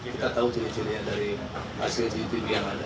kita tahu ciri ciri dari hasil siri itu yang ada